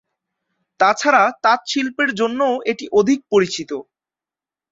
তাছাড়া তাঁত শিল্পের জন্যও এটি অধিক পরিচিত।